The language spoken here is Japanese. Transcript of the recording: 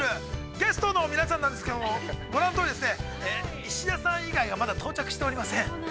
ゲストの皆さんなんですけれども、石田さん以外がまだ到着しておりません。